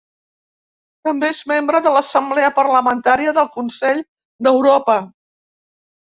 També és membre de l'Assemblea Parlamentària del Consell d'Europa.